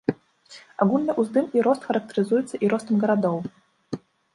Агульны ўздым і рост характарызуецца і ростам гарадоў.